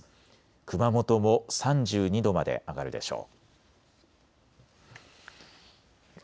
熊本も３２度まで上がるでしょう。